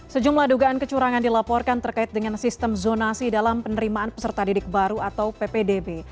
sejumlah dugaan kecurangan dilaporkan terkait dengan sistem zonasi dalam penerimaan peserta didik baru atau ppdb